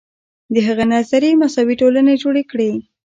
د هغه نظریې مساوي ټولنې جوړې کړې.